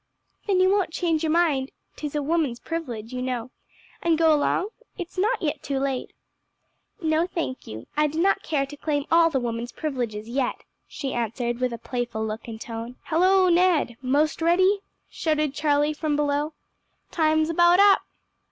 "Then you won't change your mind ('tis a woman's privilege, you know) and go along? It's not yet too late." "No, thank you; I do not care to claim all the woman's privileges yet," she answered with playful look and tone. "Hello, Ned! 'most ready?" shouted Charlie from below. "Time's about up."